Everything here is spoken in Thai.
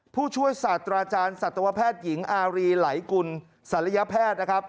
ผู้ช่วยศาสตราจารย์สัตวแพทย์หญิงอารีไหลกุลศัลยแพทย์นะครับ